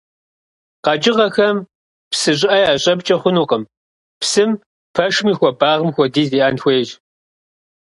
Къэкӏыгъэхэм псы щӏыӏэ ящӏэпкӏэ хъунукъым, псым пэшым и хуэбагъым хуэдиз иӏэн хуейщ.